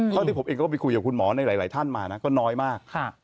เท่าที่ผมเองก็ไปคุยกับคุณหมอในหลายท่านมานะก็น้อยมาก